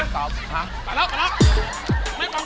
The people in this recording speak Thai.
ครับไปแล้ว